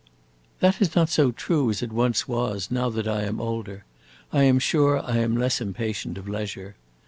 "That is not so true as it once was; now that I am older, I am sure I am less impatient of leisure.